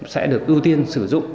sẽ được ưu tiên sử dụng